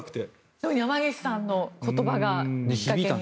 でも山岸さんの言葉がきっかけで。